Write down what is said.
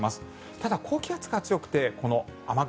ただ、高気圧が強くてこの雨雲